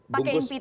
bungkus pakai pita